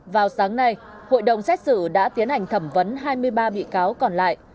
vào sáng nay hội đồng xét xử đã tiến hành thẩm vấn hai mươi ba bị cáo còn lại